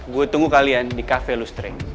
gua tunggu kalian di cafe lustre